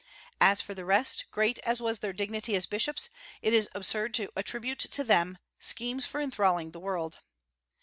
As for the rest, great as was their dignity as bishops, it is absurd to attribute to them schemes for enthralling the world.